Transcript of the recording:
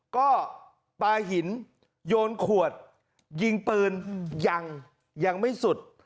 ก็ปลาหินโยนขวดยิงปืนยังยังไม่สุด